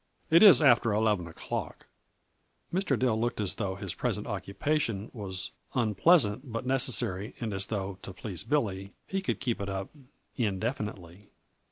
It is after eleven o'clock." Mr. Dill looked as though his present occupation was unpleasant but necessary and as though, to please Billy, he could keep it up indefinitely.